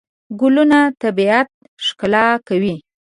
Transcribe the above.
ګلونه طبیعت ښکلا کوي.